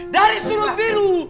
dari sudut biru